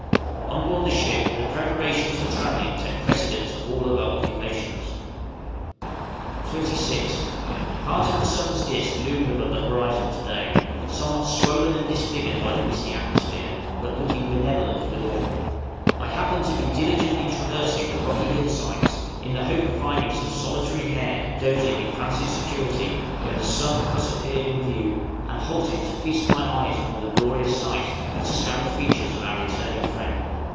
On board the ship the preparations for travelling take precedence of all other occupations. {RETURN OF THE SUN, 1859.} 26th. Part of the sun's disc loomed above the horizon to day, somewhat swollen and disfigured by the misty atmosphere, but looking benevolent withal. I happened to be diligently traversing the rocky hill sides in the hope of finding some solitary hare dozing in fancied security, when the sun thus appeared in view, and halted to feast my eyes upon the glorious sight, and scan the features of our returning friend.